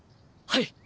はい。